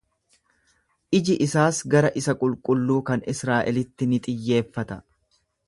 Iji isaas gara isa qulqulluu kan Israa'elitti ni xiyyeeffata.